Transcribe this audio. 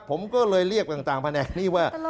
ผมก็เลยเรียกต่างแผนกนี้ว่า